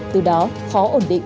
từ đó khó ổn định